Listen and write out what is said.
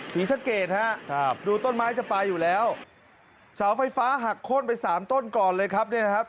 ศรีสะเกดฮะครับดูต้นไม้จะไปอยู่แล้วเสาไฟฟ้าหักโค้นไปสามต้นก่อนเลยครับเนี่ยนะครับ